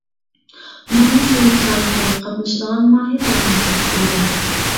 مەنمۇ شۇ مۇسابىقىگە قاتنىشىدىغان ماھىرلارنىڭ بىرسى ئىدىم.